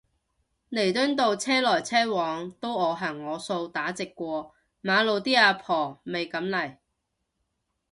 彌敦道車來車往都我行我素打直過馬路啲阿婆咪噉嚟